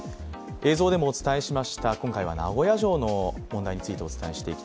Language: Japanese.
映像でもお伝えしました、今回は名古屋城の問題についてお伝えします。